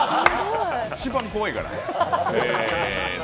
一番怖いから。